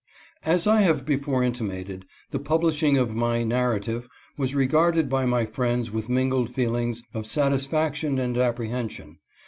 AS I have before intimated, the publishing of my " Narrative " was regarded by my friends with mingled feelings of satisfaction and apprehension.